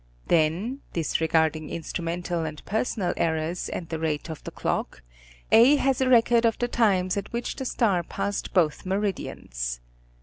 Then, disregarding instrumental and personal errors and the rate of the clock, A has a record of the times at which the star passed both meridians.